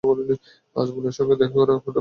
আজমলের সঙ্গে দেখা করা এখনো হয়ে ওঠে নি।